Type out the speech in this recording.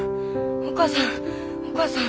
お母さんお母さん。